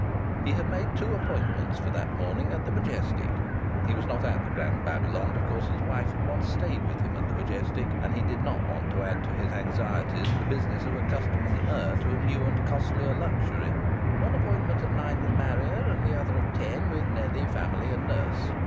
He had made two appointments for that morning at the Majestic (he was not at the Grand Babylon, because his wife had once stayed with him at the Majestic, and he did not want to add to his anxieties the business of accustoming her to a new and costlier luxury) one appointment at nine with Marrier, and the other at ten with Nellie, family and nurse.